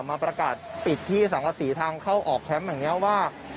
มาประกาศปิดที่สังกษีทางเข้าออกแคมป์แห่งนี้ว่า